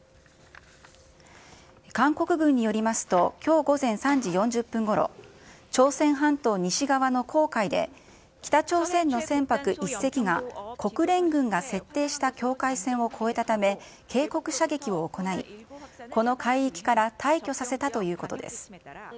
韓国軍によりますと、きょう午前３時４０分ごろ、朝鮮半島西側の黄海で、北朝鮮の船舶１隻が国連軍が設定した境界線を越えたため、警告射撃を行い、この海域から退去させたということです。